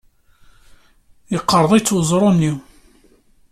Yeqreḍ-itt weẓru-nni.